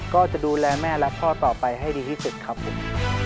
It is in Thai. ก็จะดูแลแม่และพ่อต่อไปให้ดีที่สุดครับผม